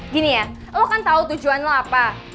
gini ya lo kan tahu tujuan lo apa